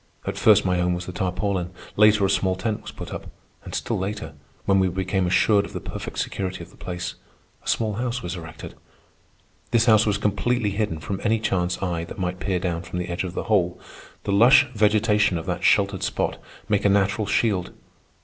At first my home was the tarpaulin. Later, a small tent was put up. And still later, when we became assured of the perfect security of the place, a small house was erected. This house was completely hidden from any chance eye that might peer down from the edge of the hole. The lush vegetation of that sheltered spot make a natural shield.